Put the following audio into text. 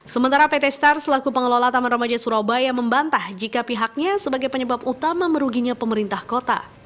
sementara pt star selaku pengelola taman remaja surabaya membantah jika pihaknya sebagai penyebab utama meruginya pemerintah kota